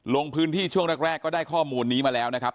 ลงพื้นที่ช่วงแรกก็ได้ข้อมูลนี้มาแล้วนะครับ